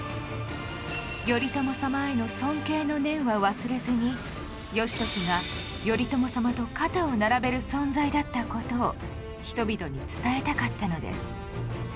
頼朝様への尊敬の念は忘れずに義時が頼朝様と肩を並べる存在だった事を人々に伝えたかったのです。